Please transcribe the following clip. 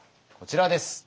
こちらです。